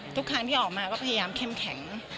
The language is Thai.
ทุกครั้งที่ออกมาก็พยายามเข้มแข็ง